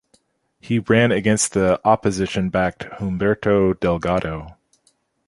He ran against the opposition-backed Humberto Delgado.